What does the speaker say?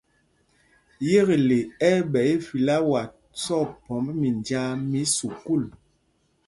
Yekle ɛ́ ɛ́ ɓɛ ifláwa sɔkphɔmb minjāā mí sukûl.